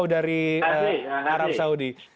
di arab saudi